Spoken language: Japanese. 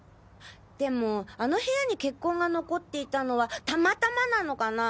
でもあの部屋に血痕が残っていたのはたまたまなのかなぁ？